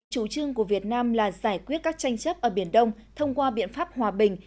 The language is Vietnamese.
chủ trương của việt nam là giải quyết các tranh chấp ở biển đông thông qua biện pháp hòa bình